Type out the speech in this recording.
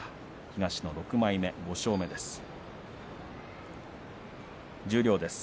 東の６枚目５勝目です。